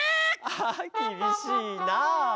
あきびしいなあ。